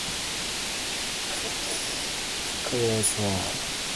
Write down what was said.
Kurtz Township was named for Thomas C. Kurtz, a Minnesota banker.